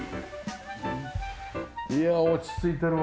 いや落ち着いてるわ。